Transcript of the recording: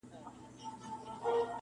او د چڼچڼو شورماشور کي به د زرکو آواز-